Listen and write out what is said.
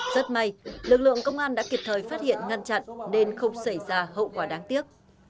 rất may lực lượng công an đã kịp thời phát hiện ngăn chặn nên không xảy ra hậu quả đáng tiếc